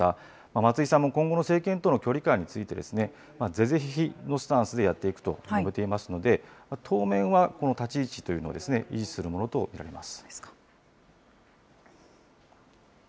松井さんも今後の政権との距離感について、是々非々のスタンスでやっていくと述べていますので、当面はこの立ち位置というのを維持するものと見られます。